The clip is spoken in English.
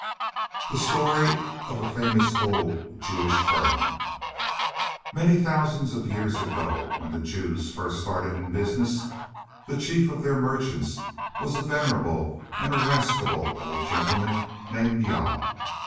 THE STORY OF A FAMOUS OLD JEWISH FIRM (1866.) Many thousand years ago, when the Jews first started in business, the chief of their merchants was a venerable and irascible old gentleman named Jah.